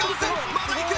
まだいく！